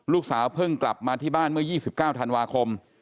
ลูกสาวเพิ่งกลับมาที่บ้านเมื่อ๒๙ธันวาคม